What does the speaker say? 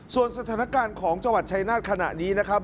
ส่วนสถานการณ์ของจังหวัดชายนาฏขณะนี้นะครับ